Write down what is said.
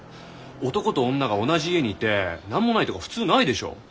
男と女が同じ家にいて何もないとか普通ないでしょ？